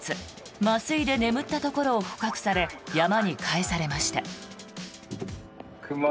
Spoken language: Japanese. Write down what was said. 麻酔で眠ったところを捕獲され山に返されました。